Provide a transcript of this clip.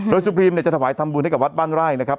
โดยสุพรีมเนี่ยจะถวายทำบุญให้กับวัดบ้านไร่นะครับ